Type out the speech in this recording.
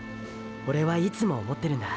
オレはいつも思ってるんだ。